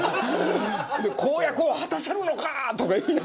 「公約を果たせるのか！？」とか。